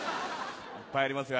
いっぱいありますよ